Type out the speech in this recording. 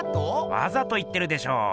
わざと言ってるでしょ。